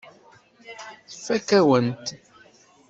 Tfakk-awen-t.